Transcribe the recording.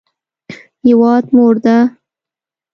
هیواد مور ده